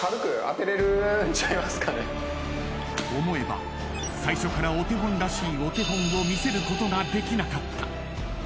［思えば最初からお手本らしいお手本を見せることができなかった］